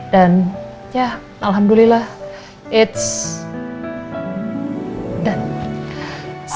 dan ya alhamdulillah it's done